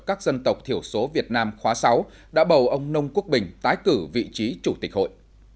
các dân tộc thiểu số việt nam khóa sáu đã bầu ông nông quốc bình tái cử vị trí chủ tịch hội